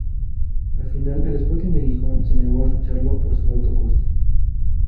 Al final el Sporting de Gijón se negó a ficharlo por su alto coste.